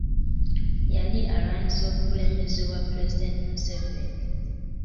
Yali alwanyisa obukulembeze bwa Pulezidenti Museveni.